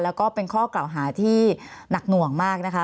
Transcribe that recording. แล้วก็เป็นข้อกล่าวหาที่หนักหน่วงมากนะคะ